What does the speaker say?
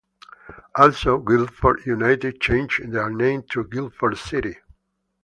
Also Guildford United changed their name to Guildford City.